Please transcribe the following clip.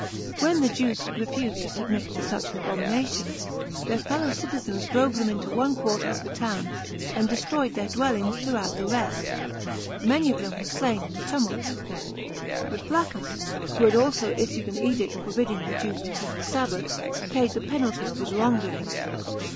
When the Jews refused to submit to such an abomination, their fellow citizens drove them into one quarter of the town, and destroyed their dwellings throughout the rest. Many of them were slain in the tumult. But Flaccus, who had also issued an edict forbidding the Jews to keep the Sabbath, paid the penalty of his wrong doing.